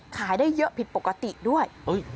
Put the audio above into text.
ขายได้เยอะผิดปกติด้วย